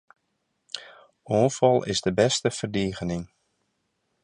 Oanfal is de bêste ferdigening.